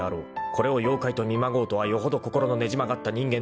［これを妖怪と見まごうとはよほど心のねじ曲がった人間の見識か］